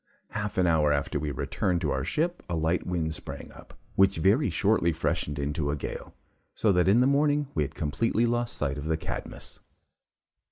Half an hour after we returned to our ship, a light wind sprang up, which very shortly freshened into a gale, so that in the morning we had completely lost sight of the 'Cadmus.'